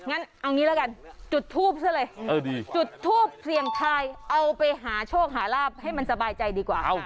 งั้นเอางี้ละกันจุดทูปซะเลยจุดทูปเสี่ยงทายเอาไปหาโชคหาลาบให้มันสบายใจดีกว่า